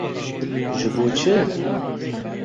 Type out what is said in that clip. Ji bo çi?